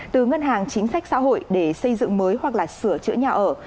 từ ngân hàng chính sách xã hội để xây dựng mới hoặc là sửa chữa nhà ở